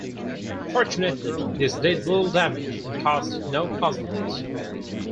Fortunately, this did little damage and caused no casualties.